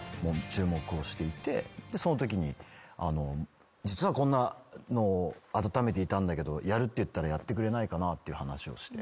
そのときに実はこんなのを温めていたんだけどやるって言ったらやってくれないかなって話をして。